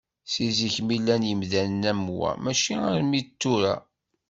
Seg zik mi llan yimdanen am wa mačči armi d tura.